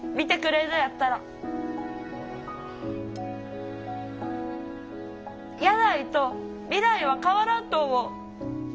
やないと未来は変わらんと思う。